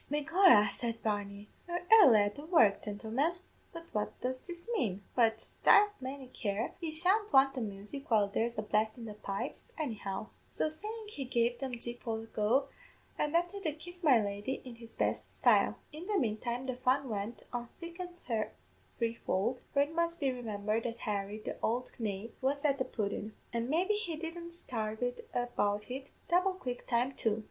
"'Begorra,' said Barney, 'you're airly at the work, gintlemen! but what does this mane? But, divle may care, yez shan't want the music while there's a blast in the pipes, anyhow!' So sayin' he gave them Jig Polthogue, an' after that Kiss my Lady, in his best style. "In the manetime the fun went on thick an' threefold, for it must be remimbered that Harry, the ould knave, was at the pudden; an' maybe he didn't sarve it about in double quick time too.